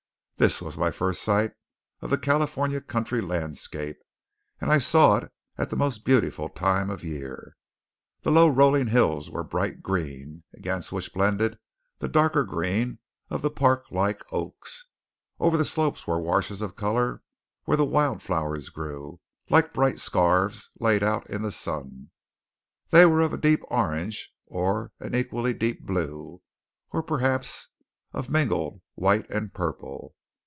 This was my first sight of the California country landscape, and I saw it at the most beautiful time of year. The low rolling hills were bright green, against which blended the darker green of the parklike oaks. Over the slopes were washes of colour where the wild flowers grew, like bright scarves laid out in the sun. They were of deep orange, or an equally deep blue, or, perhaps, of mingled white and purple.